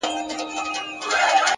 راباندي گرانه خو يې’